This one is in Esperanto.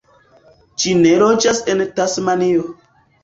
Ĝi ne loĝas en Tasmanio.